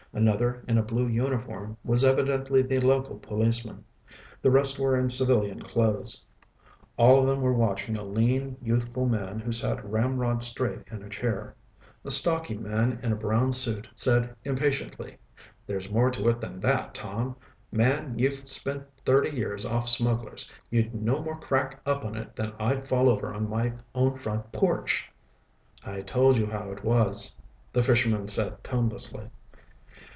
Another, in a blue uniform, was evidently the local policeman. The rest were in civilian clothes. All of them were watching a lean, youthful man who sat ramrod straight in a chair. A stocky man in a brown suit said impatiently, "There's more to it than that, Tom. Man, you've spent thirty years off Smugglers'. You'd no more crack up on it than I'd fall over my own front porch." "I told you how it was," the fisherman said tonelessly.